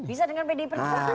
bisa dengan pdip juga